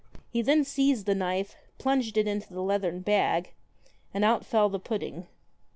He then seized the knife, plunged it into the leathern bag, and out fell the pudding.